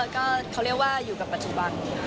ก็เขาเรียกว่าอยู่กับปัจจุบัน